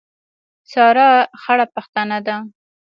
سارا خړه پښتنه ده.